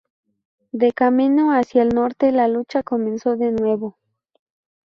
De camino hacia el norte, la lucha comenzó de nuevo.